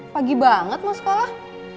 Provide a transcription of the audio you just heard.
pagi banget mau sekolah